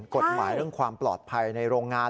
กฎหมายเรื่องความปลอดภัยในโรงงาน